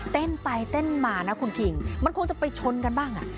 เต้นไปเต้นมานะคุณคิงมันคงจะไปชนกันบ้างอ่ะ